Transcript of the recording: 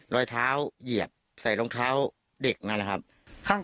รอยเท้าเหยียบใส่รองเท้าเด็กนั่นแหละครับค่ะ